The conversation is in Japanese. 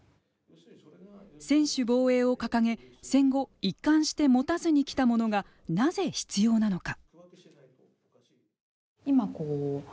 専守防衛を掲げ戦後一貫して持たずに来たものがなぜ必要なのか。